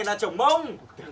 là trổ mông